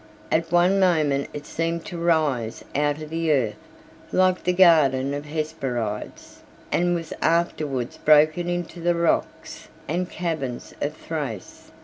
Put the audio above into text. At one moment it seemed to rise out of the earth, like the garden of the Hesperides, and was afterwards broken into the rocks and caverns of Thrace.